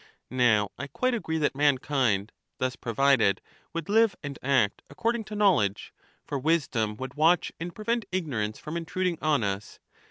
Now I quite agree that mankind, thus provided, would live and act according to knowledge, for wisdom would watch and prevent ignorance from intruding on us.